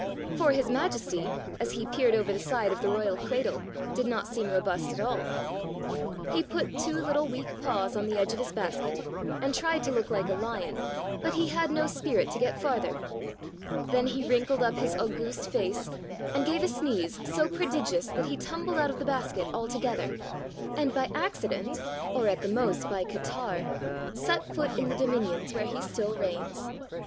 For his majesty, as he peered over the side of the royal cradle, did not seem robust at all. He put two little weak paws on the edge of his basket and tried to look like a lion, but he had no spirit to get farther Then he wrinkled up his august face, and gave a sneeze so prodigious that he tumbled out of the basket altogether, and by accident (or at the most by catarrh) set foot in the dominions where he still reigns.